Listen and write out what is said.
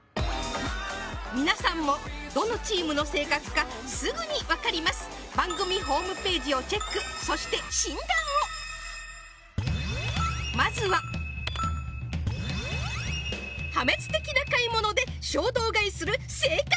皆さんもどのチームの性格かすぐに分かります番組ホームページをチェックそして診断をまずは破滅的な買い物で衝動買いする性格